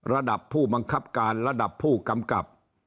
ระดับผู้บังคับการระดับผู้กำกับ